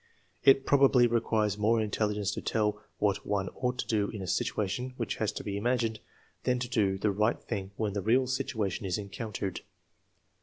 It probably requires more intelligence to tell what one ought to do in a situation which has to be imagined than to do the right thing when the real situation is encountered.